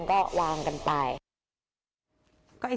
ก็วางกันไป